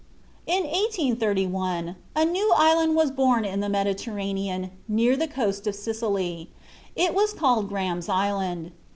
In 1831 a new island was born in the Mediterranean, near the coast of Sicily. It was called Graham's Island.